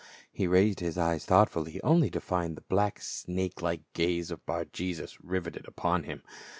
He raised his eyes thoughtfully only to find the black snake like gaze of Bar Jesus riveted upon him.